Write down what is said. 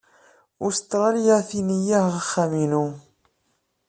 Ustṛalya ttini-aɣ axxam-inu.